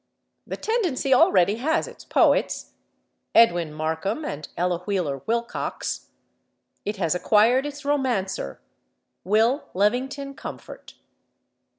The tendency already has its poets: Edwin Markham and Ella Wheeler Wilcox. It has acquired its romancer: Will Levington Comfort....